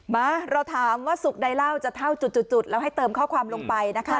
มาเราถามว่าสุขใดเล่าจะเท่าจุดแล้วให้เติมข้อความลงไปนะคะ